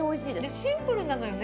シンプルなのよね